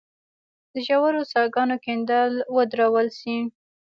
د ژورو څاه ګانو کیندل ودرول شي.